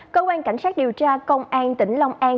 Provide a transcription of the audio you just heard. cơ quan cảnh sát điều tra công an tỉnh long an